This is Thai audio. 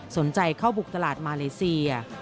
สนใจเข้าบุกตลาดมาเลเซีย